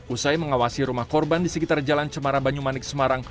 usai mengawasi rumah korban di sekitar jalan cemara banyumanik semarang